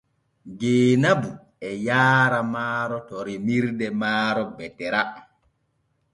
Jeenabu e yaara maaro to remirde maaro Betera.